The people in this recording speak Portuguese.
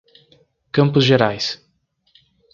Campos Gerais